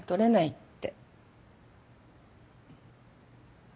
って。